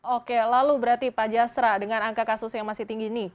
oke lalu berarti pak jasra dengan angka kasus yang masih tinggi ini